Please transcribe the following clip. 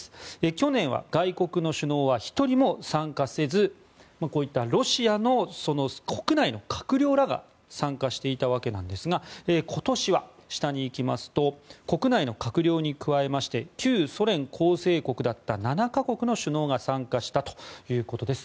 去年は外国の首脳は１人も参加せずこういったロシア国内の閣僚らが参加していたわけなんですが今年は、下に行きますと国内の閣僚に加えまして旧ソ連構成国だった７か国の首脳が参加したということです。